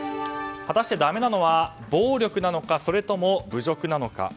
果たしてだめなのは暴力なのかそれとも侮辱なのか。